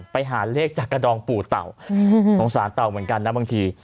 ไปหาเลขจากกระดองปู่เต่าสงสารเต่าเหมือนกันนะบางที